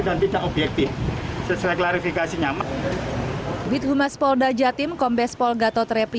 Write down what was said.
dan tidak objektif sesuai klarifikasi nyaman with humas polda jatim kombes polgatot repi